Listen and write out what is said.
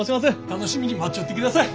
楽しみに待っちょってください。